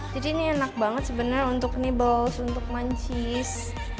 jadi ini enak banget sebenarnya untuk nibbles untuk mancis